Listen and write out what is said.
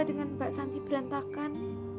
dengan mbak santi berantakan